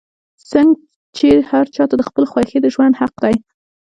څنګ چې هر چا ته د خپلې خوښې د ژوند حق دے